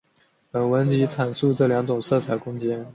本文即阐述这两种色彩空间。